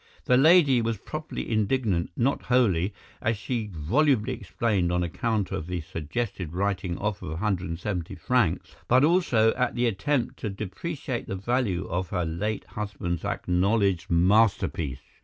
The lady was properly indignant, not wholly, as she volubly explained, on account of the suggested writing off of 170 francs, but also at the attempt to depreciate the value of her late husband's acknowledged masterpiece.